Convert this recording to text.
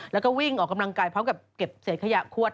แล้วก็วิ่งออกกำลังกายเพราะเก็บเสียขยะขวด